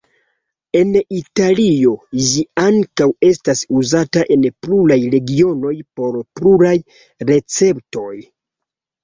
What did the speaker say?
En Italio ĝi ankaŭ estas uzata en pluraj regionoj por pluraj receptoj.